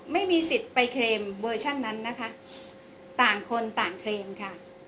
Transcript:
ไม่มีสิทธิ์ไปเคลมเวอร์ชันนั้นนะคะต่างคนต่างเคลมค่ะ